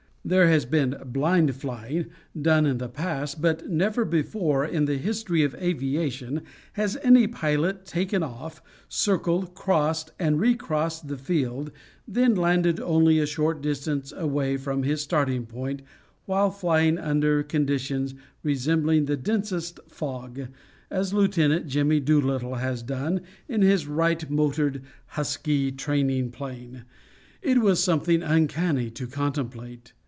There has been "blind flying" done in the past but never before in the history of aviation has any pilot taken off, circled, crossed, re crossed the field, then landed only a short distance away from his starting point while flying under conditions resembling the densest fog, as Lieut. "Jimmy" Doolittle has done, in his Wright motored "Husky" training plane. It was something uncanny to contemplate.